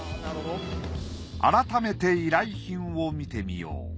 改めて依頼品を見てみよう。